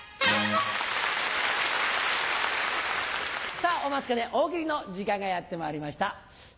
さぁお待ちかね大喜利の時間がやってまいりました。